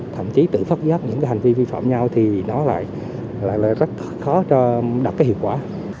thậm chí tự phát giác những hành vi vi phạm nhau thì nó lại rất khó đạt hiệu quả